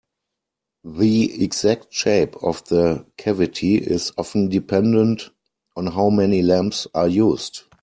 The exact shape of the cavity is often dependent on how many lamps are used.